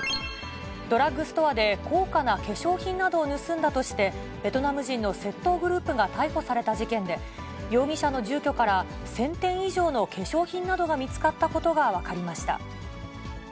ドラッグストアで高価な化粧品などを盗んだとして、ベトナム人の窃盗グループが逮捕された事件で、容疑者の住居から１０００点以上の化粧品などが見つかったことが分かりました。